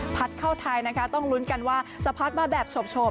เข้าไทยนะคะต้องลุ้นกันว่าจะพัดมาแบบโฉบ